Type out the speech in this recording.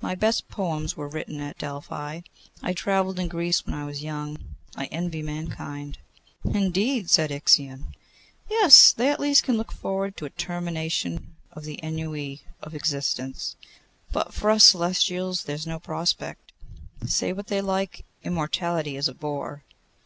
My best poems were written at Delphi. I travelled in Greece when I was young. I envy mankind.' 'Indeed!' said Ixion. 'Yes: they at least can look forward to a termination of the ennui of existence, but for us Celestials there is no prospect. Say what they like, immortality is a bore.